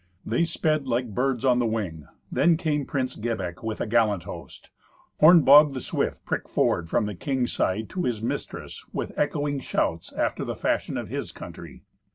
They sped like birds on the wing. Then came Prince Gibek with a gallant host. Hornbog, the swift, pricked forward from the king's side to his mistress with echoing shouts, after the fashion of his country.